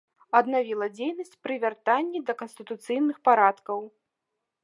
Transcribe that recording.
Аднавіла дзейнасць пры вяртанні да канстытуцыйных парадкаў.